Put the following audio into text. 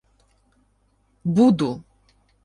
— Буду!